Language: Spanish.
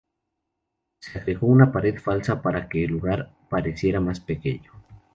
Se agregó una pared falsa para que el lugar pareciera más pequeño.